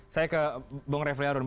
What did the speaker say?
saya ke bang refli harun